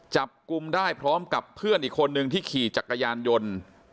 จับกลุ่มได้พร้อมกับเพื่อนอีกคนนึงที่ขี่จักรยานยนต์